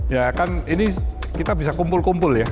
ya kan ini kita bisa kumpul kumpul ya